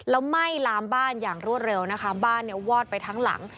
แล้วไหม้ล้ามบ้านอย่างรวดเร็วบ้านวอดไปทั้งหลัง